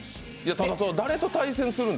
誰と対戦するんだ？